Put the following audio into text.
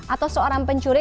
atau seorang pencuri